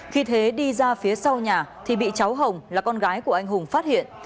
khi thế đi ra phía sau nhà thì bị cháu hồng là con gái của anh hùng phát hiện